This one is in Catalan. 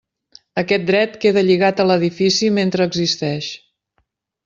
Aquest dret queda lligat a l'edifici mentre existeix.